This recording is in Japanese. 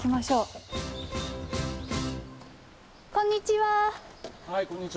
はいこんにちは。